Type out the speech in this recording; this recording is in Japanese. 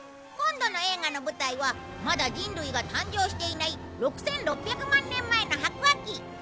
今度の映画の舞台はまだ人類が誕生していない６６００万年前の白亜紀